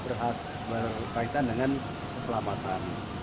risiko berkaitan dengan keselamatan